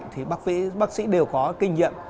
thì bác sĩ đều có kinh nghiệm